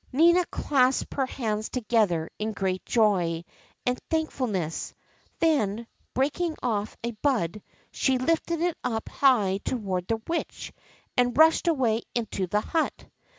Nina clasped her hands together in great joy and thankfulness ; then, breaking off a bud, she lifted it up high toward the Witch and rushed away into the hut.